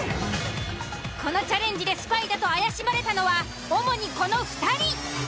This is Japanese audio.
このチャレンジでスパイだと怪しまれたのは主にこの２人。